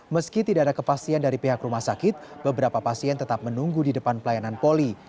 meski tidak ada kepastian dari pihak rumah sakit beberapa pasien tetap menunggu di depan pelayanan poli